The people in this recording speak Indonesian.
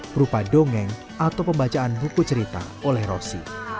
berupa dongeng atau pembacaan buku cerita oleh rosi